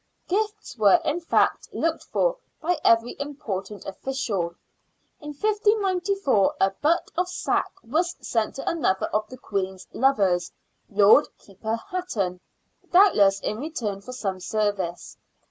Gifts were, in fact, looked for by every important official. In 1594 a butt of sack was sent to another of the Queen's lovers. Lord Keeper Hatton, doubtless in return for some service.